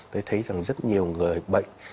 tôi thấy rằng rất nhiều người bệnh